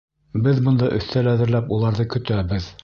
Беҙ бында өҫтәл әҙерләп уларҙы көтәбеҙ.